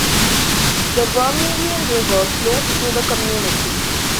The Vermillion River flows through the community.